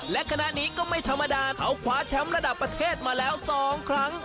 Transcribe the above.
และคณะนี้ก็ไม่ธรรมดาเขาคว้าแชมป์ระดับประเทศมาแล้ว๒ครั้ง